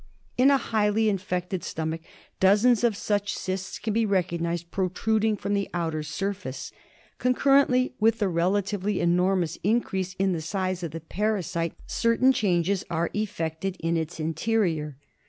In a heavily infected stomach dozens of such cysts can be recognised protruding from the outer surface. Con currently with the relatively enormous increase in the size of the parasite certain changes are effected in its interior.